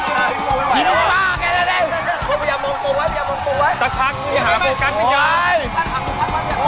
ลงเหย็บเลยฮะ